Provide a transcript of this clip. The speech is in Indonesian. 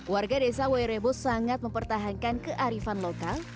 warga desa werebo sangat mempertahankan kearifan lokal